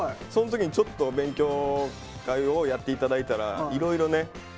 その時にちょっと勉強会をやって頂いたらいろいろね。